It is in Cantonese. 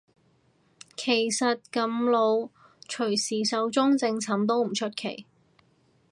其實咁老隨時壽終正寢都唔出奇